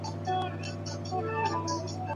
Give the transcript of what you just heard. هغوی موږ ته لیک او لوست را زده کوي.